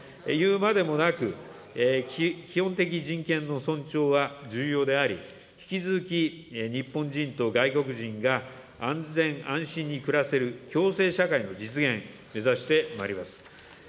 いうまでもなく、基本的人権の尊重は重要であり、引き続き日本人と外国人が安全安心に暮らせる共生社会の実現を目指してまいります。